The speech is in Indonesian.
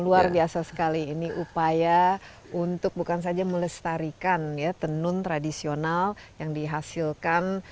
luar biasa sekali ini upaya untuk bukan saja melestarikan ya tenun tradisional yang dihasilkan